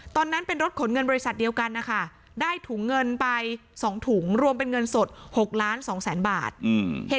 ตอนนั้นเป็นรถขนเงินบริษัทเดียวกันนะคะได้ถุงเงินไป๒ถุงรวมเป็นเงินสด๖ล้านสองแสนบาท